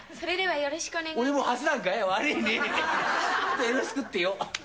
よろしくってよ。